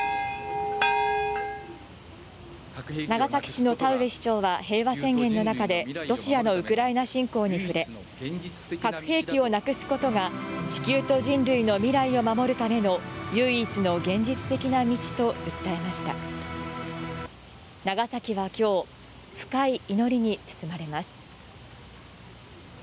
長崎市の田上市長は平和宣言の中で、ロシアのウクライナ侵攻に触れ、核兵器をなくすことが、地球と人類の未来を守るための唯一の現実的な道と訴えました長崎はきょう、深い祈りに包まれます。